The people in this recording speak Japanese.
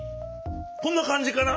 こんなかんじかな？